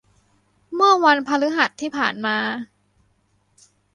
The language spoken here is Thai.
เมื่อวันพฤหัสที่ผ่านมา